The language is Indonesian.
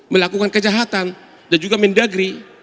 melakukan kejahatan dan juga mendagri